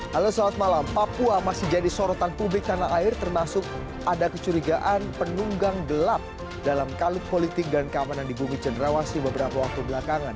halo selamat malam papua masih jadi sorotan publik tanah air termasuk ada kecurigaan penunggang gelap dalam kalut politik dan keamanan di bumi cenderawasi beberapa waktu belakangan